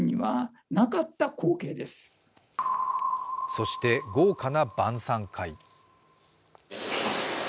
そして豪華な晩さん会。